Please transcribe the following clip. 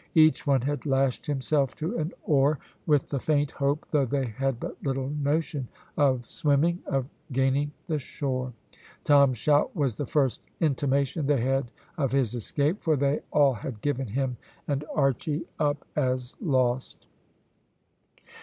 Each one had lashed himself to an oar with the faint hope, though they had but little notion, of swimming, of gaining the shore. Tom's shout was the first intimation they had of his escape, for they all had given him and Archy up as lost.